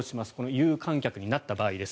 有観客になった場合です。